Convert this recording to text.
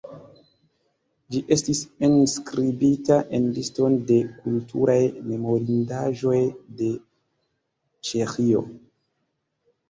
Ĝi estis enskribita en Liston de kulturaj memorindaĵoj de Ĉeĥio.